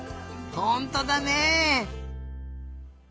ほんとだね！